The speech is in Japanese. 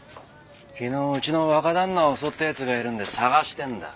昨日うちの若旦那を襲ったやつがいるんで捜してんだ。